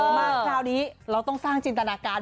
มาคราวนี้เราต้องสร้างจินตนาการ